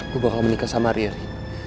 gue bakal menikah sama riri